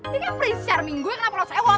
dia kan prins charming gue kenapa lo sewot